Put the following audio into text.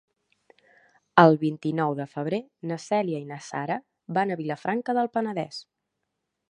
El vint-i-nou de febrer na Cèlia i na Sara van a Vilafranca del Penedès.